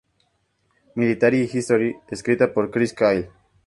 Military History" escrita por Chris Kyle.